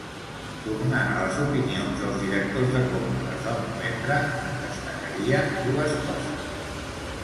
Tornant a les opinions dels directors de compres del novembre, en destacaria dues coses.